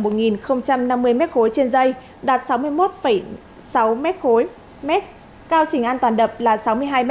lượng nước đổ về hồ trung bình là một m ba trên dây đạt sáu mươi một sáu m ba cao trình an toàn đập là sáu mươi hai m